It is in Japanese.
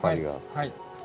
はい。